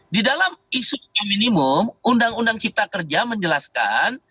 di dalam isu upah minimum undang undang cipta kerja menjelaskan